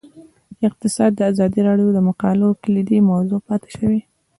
اقتصاد د ازادي راډیو د مقالو کلیدي موضوع پاتې شوی.